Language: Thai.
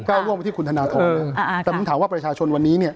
ก้าวร่วมไปที่คุณธนทรเอออ่าอ่าแต่มึงถามว่าประชาชนวันนี้เนี่ย